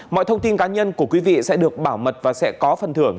mọi thông tin cá nhân của quý vị sẽ được bảo mật và sẽ có phần thưởng